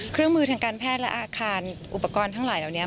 เครื่องมือทางการแพทย์และอาคารอุปกรณ์ทั้งหลายเหล่านี้